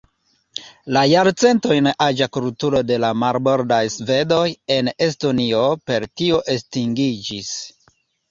La jarcentojn aĝa kulturo de la "marbordaj svedoj" en Estonio per tio estingiĝis.